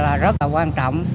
là rất là quan trọng